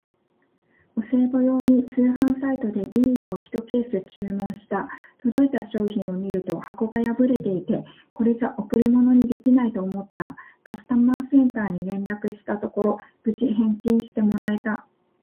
お歳暮用に通販サイトでビールをひとケース注文した。届いた商品を見ると箱が破れていて、これじゃ贈り物にできないと思った。カスタマーセンターに連絡したところ、無事返金してもらえた！